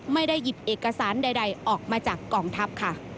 ไม่ได้หยิบเอกสารใดออกมาจากกองทัพค่ะ